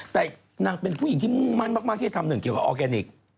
แต่นางเป็นผู้หญิงที่มุ่งมั่นมากที่จะทำหนึ่งเกี่ยวกับออร์แกนิค